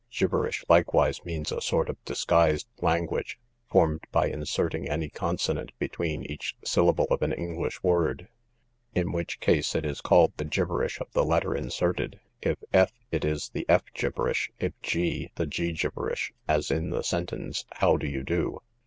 Gibberish likewise means a sort of disguised language, formed by inserting any consonant between each syllable of an English word; in which case it is called the gibberish of the letter inserted; if f, it is the f gibberish; if g, the g gibberish; as in the sentence, How do you do?